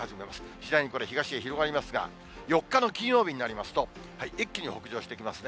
次第にこれ、東へ広がりますが、４日の金曜日になりますと、一気に北上してきますね。